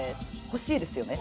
欲しいですよね。